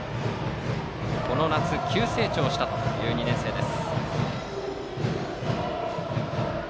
この夏、急成長したという２年生です。